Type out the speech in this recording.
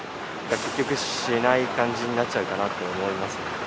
結局、しない感じになっちゃうかなと思いますね。